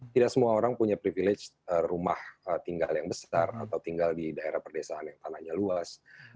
tidak semua orang punya privilege rumah tinggal yang besar atau tinggal di daerah perdesaan yang tanahnya luas